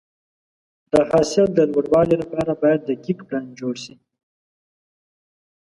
د حاصل د لوړوالي لپاره باید دقیق پلان جوړ شي.